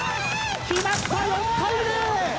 決まった４対０。